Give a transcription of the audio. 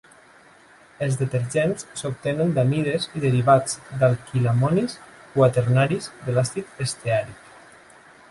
Els detergents s'obtenen d'amides i derivats d'alquilamonis quaternaris de l'àcid esteàric.